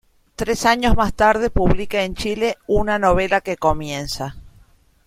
Tres años más tarde publica en Chile "Una novela que comienza".